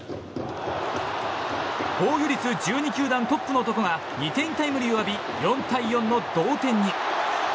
防御率１２球団トップの男が２点タイムリーを浴び４対４の同点に。